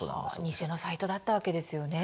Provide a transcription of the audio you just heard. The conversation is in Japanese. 偽のサイトだったわけですよね。